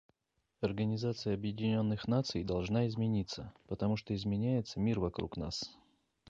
Организация Объединенных Наций должна измениться, потому что изменяется мир вокруг нас.